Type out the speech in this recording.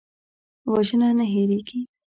وژنه نه هېریږي